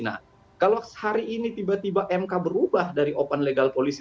nah kalau hari ini tiba tiba mk berubah dari open legal policy